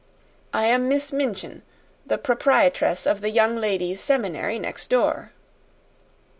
I am Miss Minchin, the proprietress of the Young Ladies' Seminary next door."